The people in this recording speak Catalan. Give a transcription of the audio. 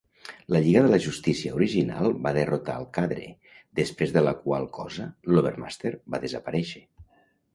La Lliga de la Justícia original va derrotar el Cadre, després de la qual cosa l'Overmaster va desaparèixer.